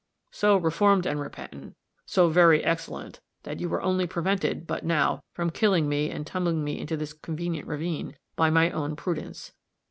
"So reformed and repentant, so very excellent, that you were only prevented, but now, from killing me and tumbling me into this convenient ravine, by my own prudence."